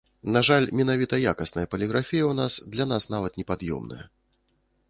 На жаль, менавіта якасная паліграфія ў нас для нас нават непад'ёмная.